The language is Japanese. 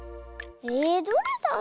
えどれだろう？